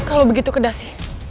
kalau begitu kedasi